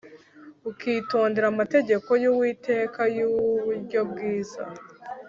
ukitondera amategeko y Uwiteka y uburyo bwiza